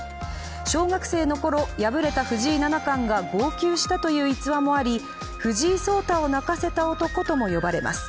小学生のころ、敗れた藤井七冠が号泣したという逸話もあり藤井聡太を泣かせた男とも呼ばれます。